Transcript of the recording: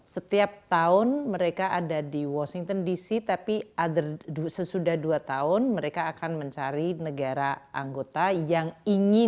setiap tahun mereka ada di washington dc tapi sesudah dua tahun mereka akan mencari negara anggota yang ingin